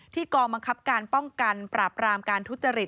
กองบังคับการป้องกันปราบรามการทุจริต